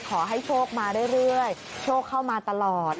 ขอให้โชคมาเรื่อยโชคเข้ามาตลอด